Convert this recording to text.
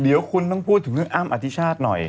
เดี๋ยวคุณต้องพูดถึงเรื่องอ้ำอธิชาติหน่อย